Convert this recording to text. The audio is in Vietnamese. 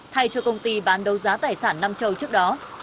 thay cho công ty bán đấu giá tài sản nam châu trước đó